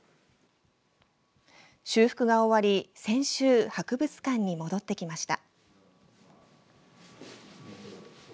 修復が終わり、先週博物館に戻ってきました。